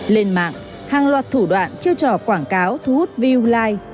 lên mạng hàng loạt thủ đoạn chiêu trò quảng cáo thu hút view like